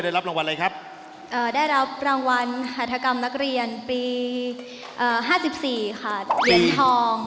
ได้รับรางวัลอะไรครับเอ่อได้รับรางวัลภัยธกรรมนักเรียนปีเอ่อห้าสิบสี่ค่ะเหรียญทอง